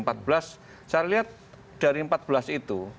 saya lihat dari empat belas itu